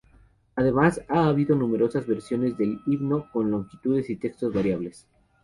Además, ha habido numerosas versiones del himno, con longitudes y textos variables.